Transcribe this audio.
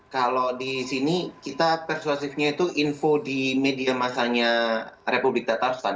kalau di sini kita persuasifnya itu info di media masanya republik tatarstan